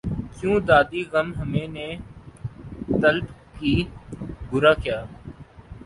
کیوں دادِ غم ہمیں نے طلب کی، بُرا کیا